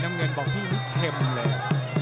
น้ำเงินบอกที่เข็มเลย